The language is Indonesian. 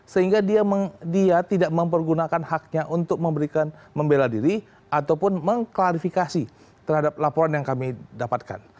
sehingga dia tidak mempergunakan haknya untuk memberikan membela diri ataupun mengklarifikasi terhadap laporan yang kami dapatkan